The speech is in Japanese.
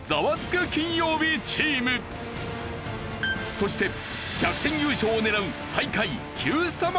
そして逆転優勝を狙う最下位Ｑさま！！